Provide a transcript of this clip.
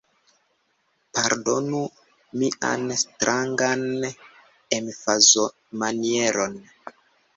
Pardonu mian strangan emfazomanieron.